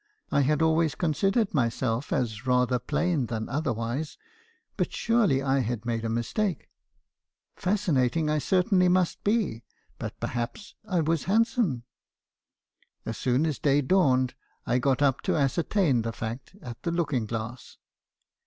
I had always considered myself as rather plain than otherwise; but surely I had made a mistake. Fascinating I certainly must be; but perhaps I was handsome. As soon as day dawned , I got up to ascertain the fact at the looking glass.